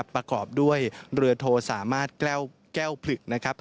ประกอบด้วยเรือโทสามารถแก้วผลึกนะครับ